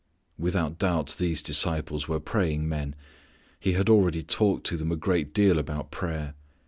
'" Without doubt these disciples were praying men. He had already talked to them a great deal about prayer.